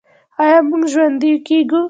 آیا موږ ژوندي کیږو؟